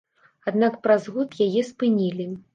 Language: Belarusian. Аднак праз год яе спынілі.